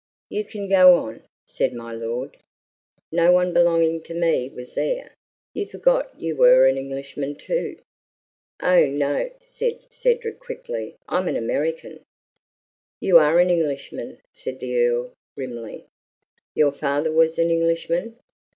"You can go on," said my lord. "No one belonging to me was there. You forgot you were an Englishman, too." "Oh! no," said Cedric quickly. "I'm an American!" "You are an Englishman," said the Earl grimly. "Your father was an Englishman."